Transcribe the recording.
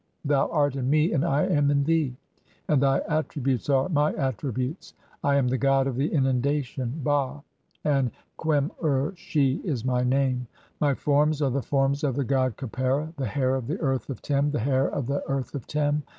"(20) Thou art in me and I am in thee ; and thy attributes are "my attributes. I am the god of the Inundation (Bah), and "'Qem ur she' (21) is my name. My forms are the forms of the "god Khepera, the hair of the earth of Tem, the hair of the "earth of Tem.